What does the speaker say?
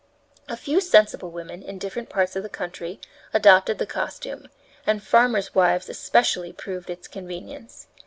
A few sensible women, in different parts of the country, adopted the costume, and farmers' wives especially proved its convenience.